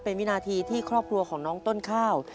เป็นวินาธิที่ื่น่ากลับของน้องต้นข้าว